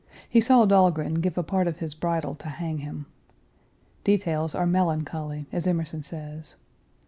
He saw Dahlgren give a part of his bridle to hang him. Details are melancholy, as Emerson says.